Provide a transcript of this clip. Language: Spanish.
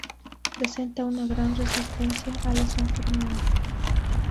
Presenta una gran resistencia a las enfermedades.